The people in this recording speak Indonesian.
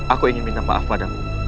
aku ingin minta maaf padamu